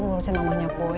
ngerusin mamanya boy